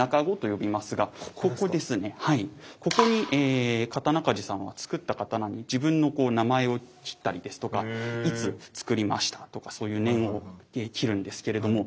ここに刀鍛冶さんはつくった刀に自分の名前を切ったりですとかいつつくりましたとかそういう銘を切るんですけれども。